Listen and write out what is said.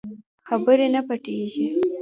خبرې نه پټېږي.